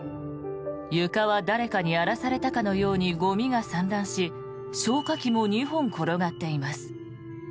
床は誰かに荒らされたかのようにゴミが散乱し消火器も２本転がっています。